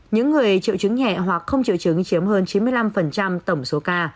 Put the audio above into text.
những người triệu chứng nhẹ hoặc không triệu chứng chiếm hơn chín mươi năm tổng số ca